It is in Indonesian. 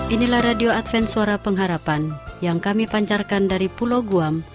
inilah radio advent suara pengharapan yang kami pancarkan dari pulau guam